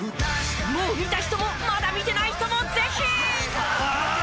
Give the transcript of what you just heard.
もう見た人もまだ見てない人もぜひ！